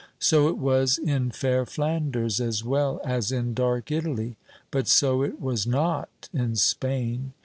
So it was in fair Flanders as well as in dark Italy. But so it was not in Spain.